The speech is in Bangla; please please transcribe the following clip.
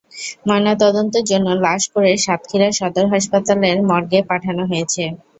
ময়নাতদন্তের জন্য লাশ করে সাতক্ষীরা সদর হাসপাতালের মর্গে পাঠানো হয়েছে।